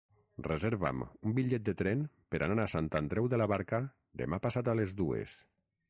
Reserva'm un bitllet de tren per anar a Sant Andreu de la Barca demà passat a les dues.